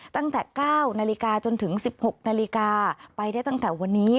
ตั้งแต่๙นาฬิกาจนถึง๑๖นาฬิกาไปได้ตั้งแต่วันนี้